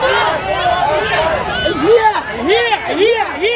เฮียเฮียไอ้เฮีย